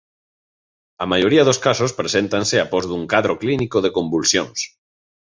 A maioría dos casos preséntase após dun cadro clínico de convulsións.